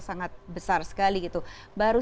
sangat besar sekali gitu baru